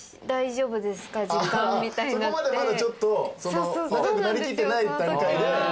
そこまでまだちょっと仲良くなりきってない段階で。